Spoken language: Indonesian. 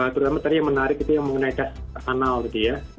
terutama tadi yang menarik itu yang mengenai dasar anal tadi ya